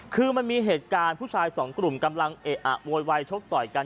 คือมันมีเหตุการณ์ผู้ชายสองกลุ่มกำลังเอะอะโวยวายชกต่อยกัน